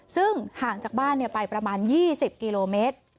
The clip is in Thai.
ซึ่งห่างจากบ้านไปประมาณ๒๐กิโลเมตร